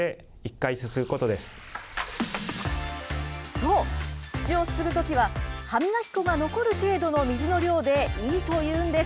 そう、口をすすぐときは、歯磨き粉が残る程度の水の量でいいというんです。